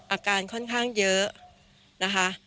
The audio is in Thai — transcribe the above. อาการค่อนข้างเยอะนะคะ